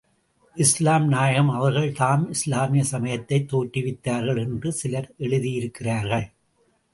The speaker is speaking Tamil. இஸ்லாம் நாயகம் அவர்கள்தாம் இஸ்லாமிய சமயத்தைத் தோற்றுவித்தார்கள் என்று சிலர் எழுதியிருக்கிறார்கள்.